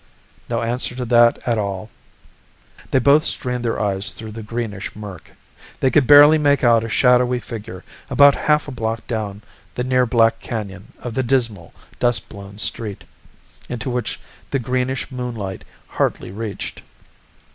No answer to that at all. They both strained their eyes through the greenish murk. They could barely make out a shadowy figure about half a block down the near black canyon of the dismal, dust blown street, into which the greenish moonlight hardly reached.